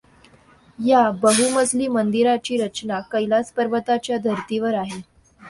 ह्या बहुमजली मंदिराची रचना कैलास पर्वताच्या धर्तीवर आहे.